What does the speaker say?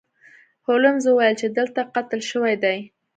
هولمز وویل چې دلته قتل شوی دی.